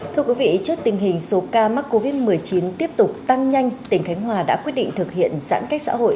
thưa quý vị trước tình hình số ca mắc covid một mươi chín tiếp tục tăng nhanh tỉnh khánh hòa đã quyết định thực hiện giãn cách xã hội